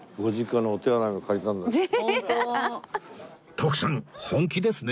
徳さん本気ですね